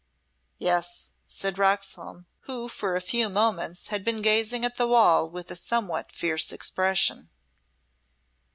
"Yes," said Roxholm, who for a few moments had been gazing at the wall with a somewhat fierce expression.